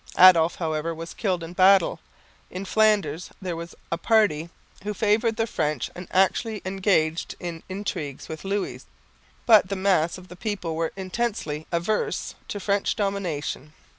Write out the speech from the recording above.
Adolf, however, was killed in battle. In Flanders there was a party who favoured the French and actually engaged in intrigues with Louis, but the mass of the people were intensely averse to French domination.